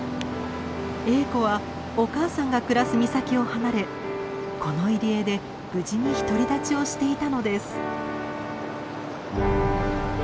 エーコはお母さんが暮らす岬を離れこの入り江で無事に独り立ちをしていたのです。